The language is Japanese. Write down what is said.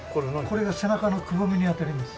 これが背中のくぼみに当たります。